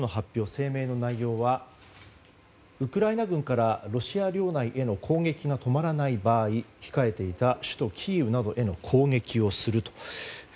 声明の内容はウクライナ軍からロシア領内への攻撃が止まらない場合控えていた首都キーウなどへの攻撃をすると。